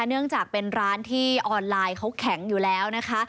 เนื่องจากเป็นร้านที่ออนไลน์เขาแข็งอยู่แล้วนะคะ